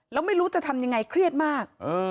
แล้วไม่รู้จะทำยังไงเครียดมาก